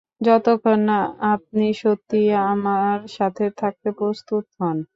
যতক্ষণ না আপনি সত্যিই আমার সাথে থাকতে প্রস্তুত হন।